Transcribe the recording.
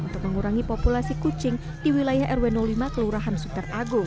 untuk mengurangi populasi kucing di wilayah rw lima kelurahan suter agung